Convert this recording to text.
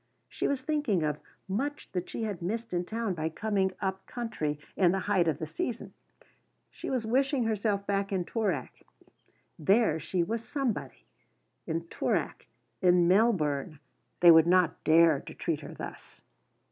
She was thinking of much that she had missed in town by coming up country in the height of the season; she was wishing herself back in Toorak. There she was somebody; in Toorak, in Melbourne, they would not dare to treat her thus.